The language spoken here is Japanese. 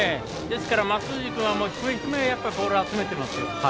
ですから松藤君は低め、低めにボールを集めています。